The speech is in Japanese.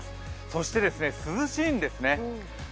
そして、涼しいんですね。